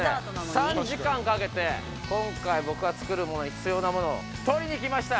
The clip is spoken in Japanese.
３時間かけて今回僕が作るものに必要なものをとりにきました！